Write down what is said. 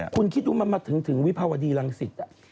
คุณคิดดูมันมาถึงวิภาวดีรังสิต